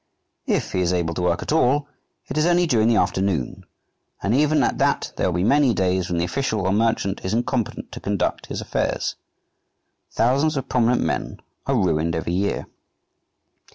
If he is able to work at all, it is only during the afternoon, and even at that there will be many days when the official or merchant is incompetent to conduct his affairs. Thousands of prominent men are ruined every year.